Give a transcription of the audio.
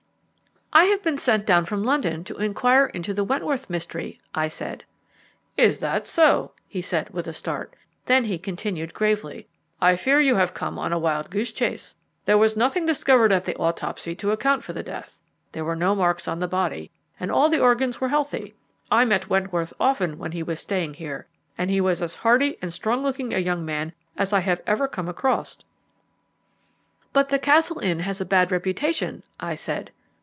"I have been sent down from London to inquire into the Wentworth mystery," I said. "Is that so?" he said, with a start. Then he continued gravely: "I fear you have come on a wild goose chase. There was nothing discovered at the autopsy to account for the death. There were no marks on the body, and all the organs were healthy. I met Wentworth often while he was staying here, and he was as hearty and strong looking a young man as I have ever come across." "But the Castle Inn has a bad reputation," I said.